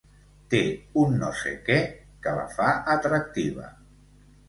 Té un no-sé-què que la fa atractiva.